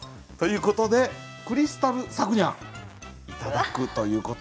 ということでクリスタルさくにゃん頂くという。